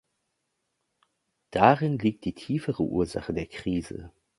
Darin liegt die tiefere Ursache der Krise.